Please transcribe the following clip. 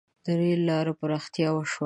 • د رېل لارو پراختیا وشوه.